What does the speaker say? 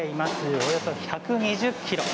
およそ１２０ｋｇ。